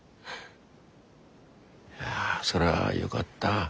いやそれはよがった。